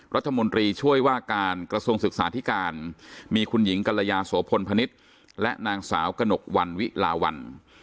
รัฐมนตรีช่วยว่าการกระทรวงศึกษาธิการมีคุณหญิงกัลยาโสพลพนิษฐ์และนางสาวกระหนกวันวิลาวัน